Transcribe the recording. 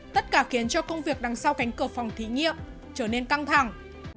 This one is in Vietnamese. tất cả khiến cho công việc đằng sau cánh cửa phòng thí nghiệm trở nên căng thẳng